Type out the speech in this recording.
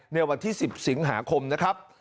ในวันที่๑๐สิงหาคมนะครับ